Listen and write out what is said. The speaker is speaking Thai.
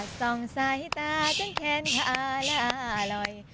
ส่องสายตาจนแขนขาล่าอร่อย